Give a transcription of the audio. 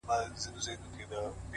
نظم د سترو پلانونو بنسټ جوړوي؛